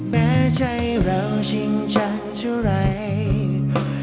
แม้ใจเราจริงจังเท่าไหร่